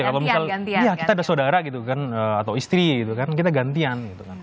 iya kalau misalnya kita ada saudara gitu kan atau istri gitu kan kita gantian